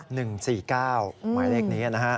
หมายเลขนี้นะฮะ